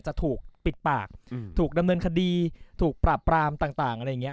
จะถูกปิดปากถูกดำเนินคดีถูกปราบปรามต่างอะไรอย่างนี้